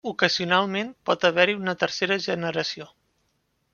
Ocasionalment, pot haver-hi una tercera generació.